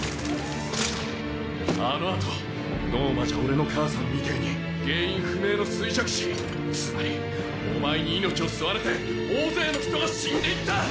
あの後ノーマじゃ俺の母さんみてぇに原因不明の衰弱死つまりお前に命を吸われて大勢の人が死んでいった！